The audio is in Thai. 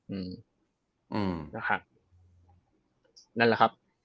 อืมนะฮะนั่นแหละครับ